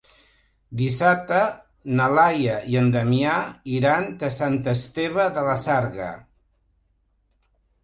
Dissabte na Laia i en Damià iran a Sant Esteve de la Sarga.